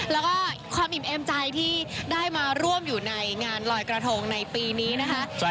แล้วก็ความอิ่มเอมใจที่ได้มาร่วมอยู่ในงานลอยกระทงในปีนี้นะคะ